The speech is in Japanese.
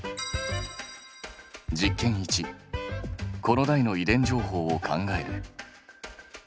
１子の代の遺伝情報を考える。